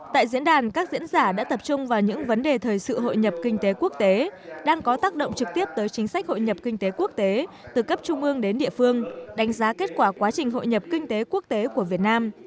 tại diễn đàn các diễn giả đã tập trung vào những vấn đề thời sự hội nhập kinh tế quốc tế đang có tác động trực tiếp tới chính sách hội nhập kinh tế quốc tế từ cấp trung ương đến địa phương đánh giá kết quả quá trình hội nhập kinh tế quốc tế của việt nam